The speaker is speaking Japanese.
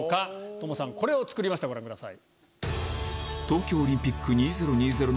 智さんこれを作りましたご覧ください。